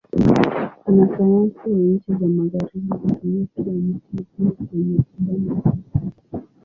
Wanasayansi wa nchi za Magharibi hutumia pia mti huu kwenye tiba na utafiti.